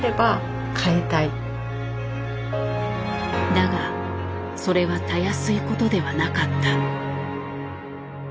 だがそれはたやすいことではなかった。